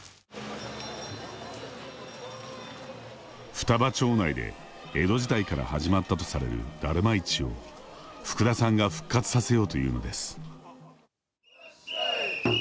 双葉町内で、江戸時代から始まったとされるダルマ市を福田さんが復活させようというのです。